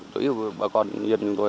chủ yếu bà con dân chúng tôi